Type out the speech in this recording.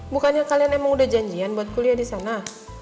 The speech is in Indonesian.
bukannya kalian emang udah janjian buat kuliah di sana